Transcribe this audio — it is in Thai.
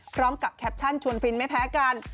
พร้อมกับแคปชั่นชวนฟินไม่แพ้กัน